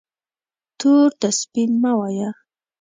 تور ته سپین مه وایه